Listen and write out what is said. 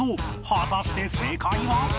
果たして正解は？